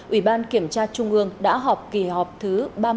ủy ban kiểm tra trung ương đã họp kỳ họp thứ ba mươi